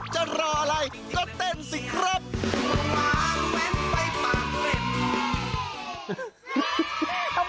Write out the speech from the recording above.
จะรออะไรก็เต้นสิครับ